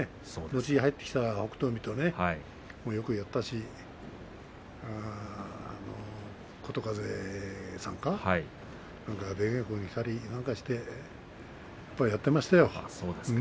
うちに入ってきた北勝海とよくやったし琴風さん、出稽古に来たりしてやっぱりやっていましたよ。